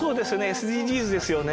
ＳＤＧｓですよね。